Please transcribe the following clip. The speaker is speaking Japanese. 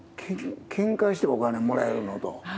けんかしてお金もらえるの？と。